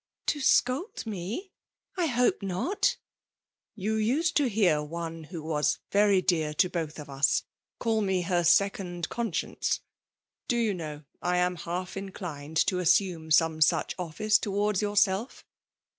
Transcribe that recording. '' To scold me ? I hope not" *' You used to hear one who was very dear to both of us call me her second eoaacience* Do you know^ I am half indined to assume some such office towards yourself?